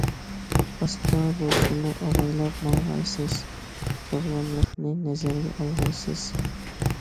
ئاستا بولسىمۇ ئاۋايلاپ ماڭغايسىز، ساغلاملىقنى نەزەرگە ئالغايسىز!